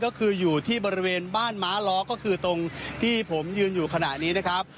ก็คืออยู่ที่บริเวณบ้านม้าล้อก็คือตรงที่ผมยืนอยู่ขณะนี้นะครับ